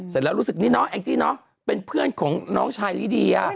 เสร็จแล้วรู้สึกนี่เนาะแองจี้เนอะเป็นเพื่อนของน้องชายลิเดีย